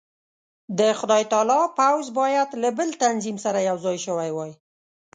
د خدای تعالی پوځ باید له بل تنظیم سره یو ځای شوی وای.